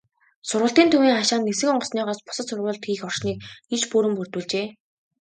Сургалтын төвийн хашаанд нисэх онгоцныхоос бусад сургуулилалт хийх орчныг иж бүрэн бүрдүүлжээ.